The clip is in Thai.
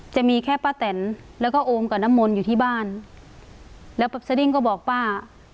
จะมีแค่ป้าแตนแล้วก็โอมกับน้ำมนต์อยู่ที่บ้านแล้วสดิ้งก็บอกป้า